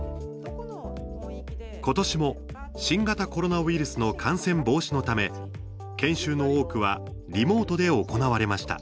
ことしも新型コロナウイルスの感染防止のため研修の多くはリモートで行われました。